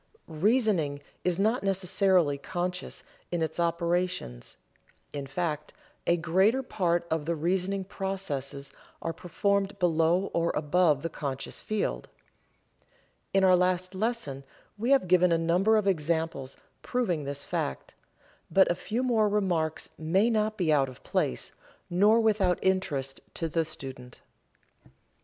Reasoning is not necessarily conscious in its operations, in fact, a greater part of the reasoning processes are performed below or above the conscious field. In our last lesson we have given a number of examples proving this fact, but a few more remarks may not be out of place, nor without interest to the student.